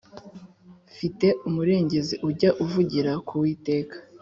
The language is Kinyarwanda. fite umurengezi ujya avugira ku uwiteka